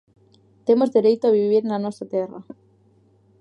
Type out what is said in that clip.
Temos dereito a vivir na nosa terra.